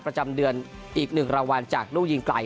ประจำเดือนอีก๑รางวัลจากลูกยิงไกล